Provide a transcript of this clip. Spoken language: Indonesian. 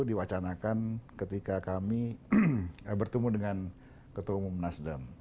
diwacanakan ketika kami bertemu dengan ketua umum nasdem